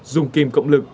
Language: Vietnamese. dùng kim cộng lực